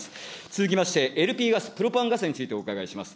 続きまして、ＬＰガス、プロパンガスについてお伺いします。